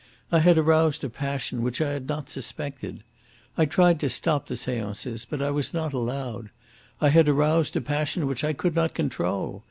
I had aroused a passion which I had not suspected. I tried to stop the seances, but I was not allowed. I had aroused a passion which I could not control.